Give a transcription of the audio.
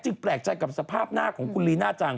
แปลกใจกับสภาพหน้าของคุณลีน่าจัง